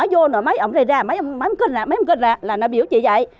nói vô rồi mấy ông đây ra mấy ông kinh ra mấy ông kinh ra là nó biểu chị vậy